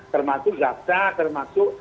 termasuk jasa termasuk